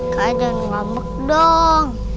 kakak jangan ngambek dong